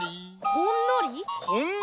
ほんのり？